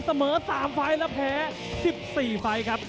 เสมอ๓ไฟล์และแพ้๑๔ไฟล์ครับ